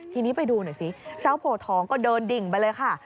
ทีนี้ไปดูหน่อยสิเจ้าโผทองก็เดินดิ่งไปเลยค่ะ